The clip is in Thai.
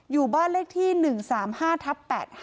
อยู่บ้านเลขที่๑๓๕ทับ๘๕